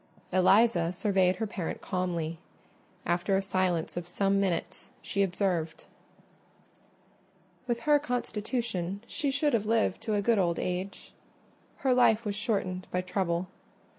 Eliza surveyed her parent calmly. After a silence of some minutes she observed— "With her constitution she should have lived to a good old age: her life was shortened by trouble."